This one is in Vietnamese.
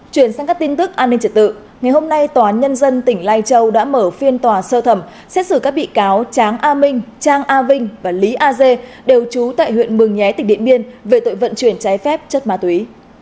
chuyển sang các tin tức an ninh trật tự ngày hôm nay tòa án nhân dân tỉnh lai châu đã mở phiên tòa sơ thẩm xét xử các bị cáo tráng a minh trang a vinh và lý a dê đều trú tại huyện mường nhé tỉnh điện biên về tội vận chuyển trái phép chất ma túy